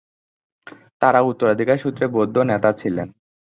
তারা উত্তরাধিকার সূত্রে বৌদ্ধ নেতা ছিলেন।